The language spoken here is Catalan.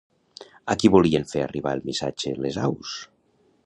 A qui volien fer arribar el missatge les aus?